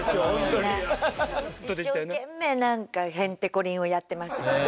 一生懸命何かへんてこりんをやってましたからね。